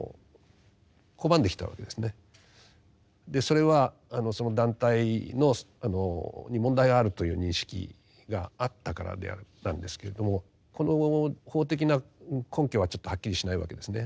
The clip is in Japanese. それはその団体に問題があるという認識があったからなんですけれどもこの法的な根拠はちょっとはっきりしないわけですね。